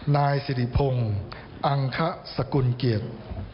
๖๓๑นายสิริพงศ์อังขสกุลเกียจ